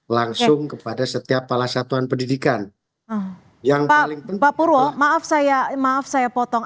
langsung kepada setiap salah satuan pendidikan yang paling penting pak purwo maaf saya maaf saya potong